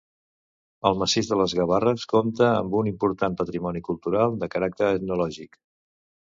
El massís de les Gavarres compta amb un important patrimoni cultural de caràcter etnològic.